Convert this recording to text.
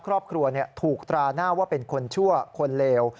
ครอบครัวถูกตราหน้าว่าเป็นคนชั่วคนเลว